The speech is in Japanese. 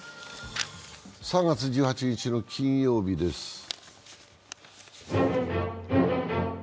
３月１８日の金曜日です。